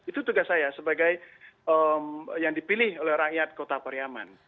itu tugas saya sebagai yang dipilih oleh rakyat kota pariaman